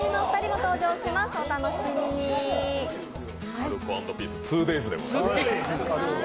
アルコ＆ピース、ツーデイズでございます。